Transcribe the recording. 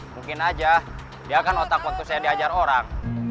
mungkin aja dia kan otak waktu saya diajar orang